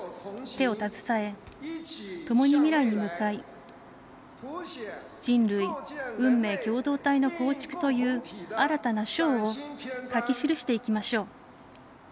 手を携え、ともに未来に向かい人類運命共同体の構築という新たな章を書き記していきましょう。